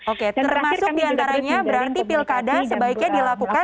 oke termasuk diantaranya berarti pilkada sebaiknya dilakukan